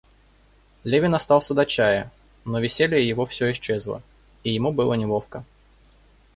Левин остался до чая, но веселье его всё исчезло, и ему было неловко.